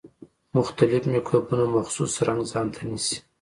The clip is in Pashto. مختلف مکروبونه مخصوص رنګ ځانته نیسي.